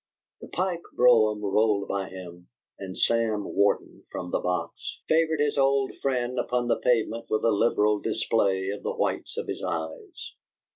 The Pike brougham rolled by him, and Sam Warden, from the box, favored his old friend upon the pavement with a liberal display of the whites of his eyes.